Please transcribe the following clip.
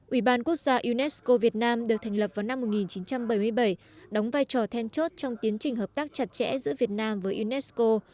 ủy ban quốc gia unesco việt nam được thành lập vào năm một nghìn chín trăm bảy mươi bảy đóng vai trò then chốt trong tiến trình hợp tác chặt chẽ giữa việt nam với unesco